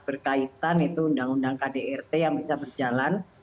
berkaitan itu undang undang kdrt yang bisa berjalan